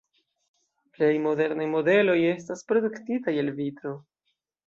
Plej modernaj modeloj estas produktitaj el vitro.